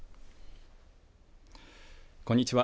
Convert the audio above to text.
こんにちは。